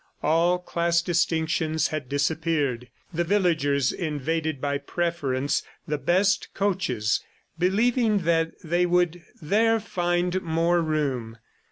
All class distinctions had disappeared. The villagers invaded by preference the best coaches, believing that they would there find more room.